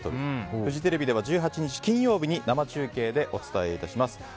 フジテレビでは１８日金曜日に生中継でお伝えします。